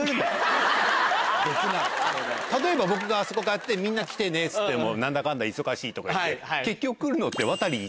例えば僕があそこ買ってみんな来てねっつっても何だかんだ忙しいとか言って。